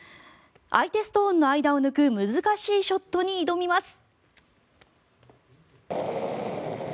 相手ストーンの間を抜く難しいショットに挑みます。